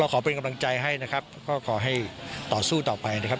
ขอเป็นกำลังใจให้นะครับก็ขอให้ต่อสู้ต่อไปนะครับ